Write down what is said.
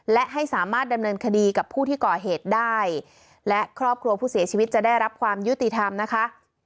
และให้สามารถดำเนินคดีกับผู้ที่ก่อเหตุได้และครอบครัวผู้เสียชีวิตจะได้รับความยุติธรรมนะคะ